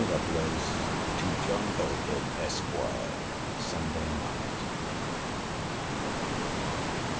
LOVELACE, TO JOHN BELFORD, ESQ. SUNDAY NIGHT.